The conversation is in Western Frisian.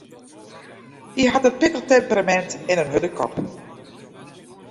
Hy hat in pittich temperamint en in hurde kop.